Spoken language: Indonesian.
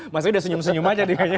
mas awi sudah senyum senyum saja